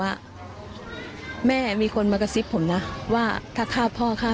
เนื่องจากนี้ไปก็คงจะต้องเข้มแข็งเป็นเสาหลักให้กับทุกคนในครอบครัว